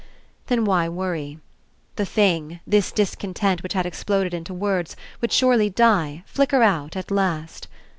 Then why worry? The thing, this dis content which had exploded into words, would surely die, flicker out, at last.